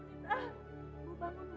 ibu bangun bu